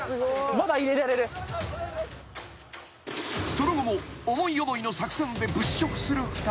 ［その後も思い思いの作戦で物色する２人］